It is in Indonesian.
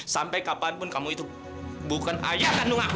sampai kapanpun kamu itu bukan ayah kandung aku